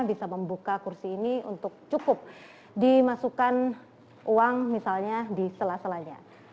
bisa membuka kursi ini untuk cukup dimasukkan uang misalnya di sela selanya